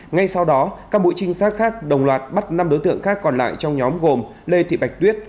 ngay sau đó các mũi trinh sát khác đồng loạt bắt năm đối tượng khác còn lại trong nhóm gồm lê thị bạch tuyết